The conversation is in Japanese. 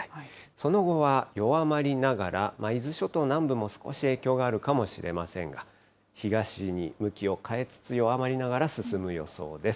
その後は弱まりながら、伊豆諸島南部も少し影響があるかもしれませんが、東に向きを変えつつ、弱まりながら進む予想です。